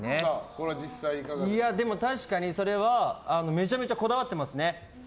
確かにそれはめちゃめちゃこだわっています。